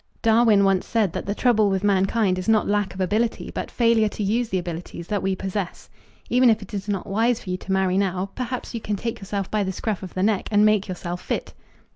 Darwin once said that the trouble with mankind is not lack of ability, but failure to use the abilities that we possess. Even if it is not wise for you to marry now, perhaps you can take yourself by the scruff of the neck and make yourself fit.